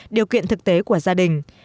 điều kiện thực tế của gia đình